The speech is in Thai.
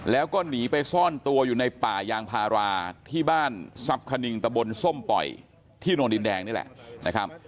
แล้วก็หนีไปซ่อนตัวอยู่ในป่ายางพาราที่บ้านทรัพย์คณิงตะบนส้มปล่อยที่โนนดินแดงนี่แหละนะครับ